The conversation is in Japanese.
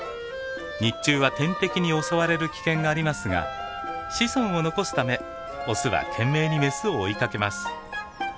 日中は天敵に襲われる危険がありますが子孫を残すためオスは懸命にメスを追いかけます。